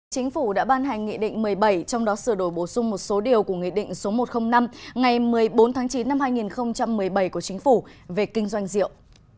chính phủ đã ban hành nghị định một mươi bảy trong đó sửa đổi bổ sung một số điều của nghị định số một trăm linh năm ngày một mươi bốn tháng chín năm hai nghìn một mươi bảy của chính phủ về kinh doanh rượu